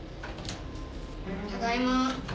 ただいま。